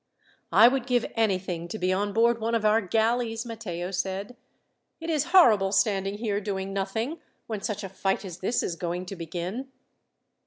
"I would give anything to be on board one of our galleys," Matteo said. "It is horrible standing here doing nothing, when such a fight as this is going to begin."